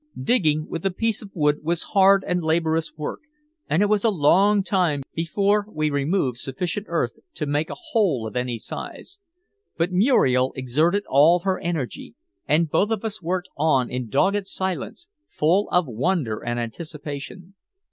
Digging with a piece of wood was hard and laborious work and it was a long time before we removed sufficient earth to make a hole of any size. But Muriel exerted all her energy, and both of us worked on in dogged silence full of wonder and anticipation.